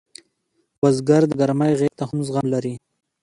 بزګر د ګرمۍ غېږ ته هم زغم لري